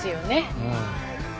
うん。